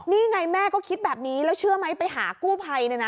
นี่ไงแม่ก็คิดแบบนี้แล้วเชื่อมั้ยไปหากู้ไพ่